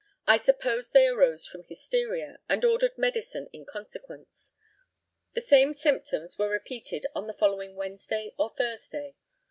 I supposed they arose from hysteria, and ordered medicine in consequence. The same symptoms were repeated on the following Wednesday or Thursday.